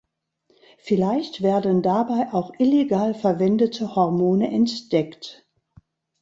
Vielleicht werden dabei auch illegal verwendete Hormone entdeckt.